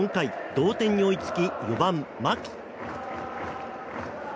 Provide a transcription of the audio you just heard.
同点に追いつき４番、牧。